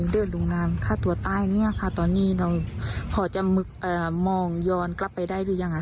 เดือนลุงนามถ้าตัวใต้ตอนนี้เราพอจะมองย้อนกลับไปได้หรือยังคะ